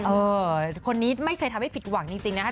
เออคนนี้ไม่เคยทำให้ผิดหวังจริงนะคะ